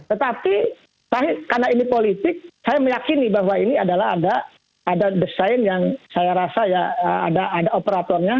tetapi karena ini politik saya meyakini bahwa ini adalah ada desain yang saya rasa ya ada operatornya